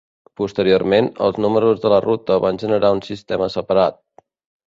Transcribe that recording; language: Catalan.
Posteriorment, els números de la ruta van generar un sistema separat.